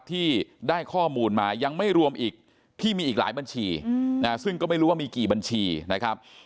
ที่ได้ข้อมูลมายังไม่รวมอีกที่มีอีกหลายบัญชีซึ่งก็ไม่รู้ว่ามีกี่บัญชีนะครับ